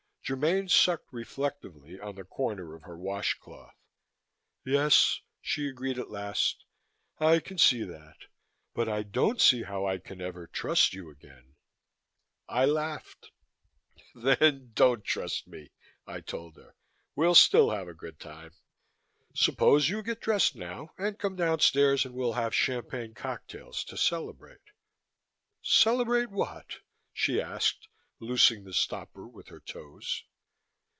Germaine sucked reflectively on the corner of her wash cloth. "Yes," she agreed at last, "I can see that, but I don't see how I can ever trust you again." I laughed. "Then don't trust me," I told her. "We'll still have a good time. Suppose you get dressed now and come downstairs and we'll have champagne cocktails to celebrate." "Celebrate what?" she asked, loosing the stopper with her toes.